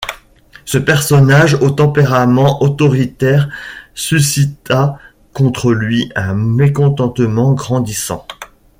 Ce personnage au tempérament autoritaire suscita contre lui un mécontentement grandissant.